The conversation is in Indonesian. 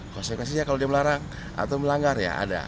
konsekuensinya kalau dia melarang atau melanggar ya ada